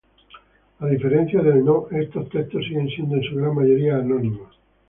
A diferencia del nō, estos textos siguen siendo en su gran mayoría anónimos.